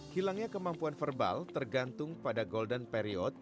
hilangnya kemampuan verbal tergantung pada golden period